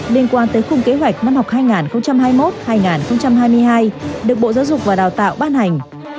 liên quan tới khung kế hoạch năm học hai nghìn hai mươi một hai nghìn hai mươi hai được bộ giáo dục và đào tạo ban hành